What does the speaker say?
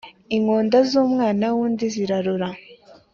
Inkonda z’umwana w’undi zirarura.